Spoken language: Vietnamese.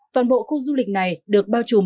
toàn bộ khu du lịch này được bao trùm